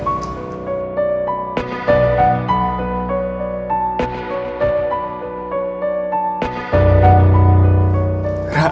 maafin lah raff pak